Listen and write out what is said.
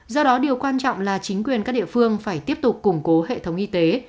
do đó điều quan trọng là chính quyền các địa phương phải tiếp tục củng cố hệ thống y tế